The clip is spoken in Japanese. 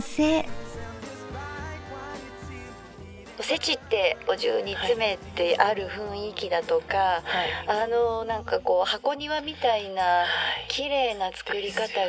「おせちってお重に詰めてある雰囲気だとかあのなんかこう箱庭みたいなきれいな作り方が」。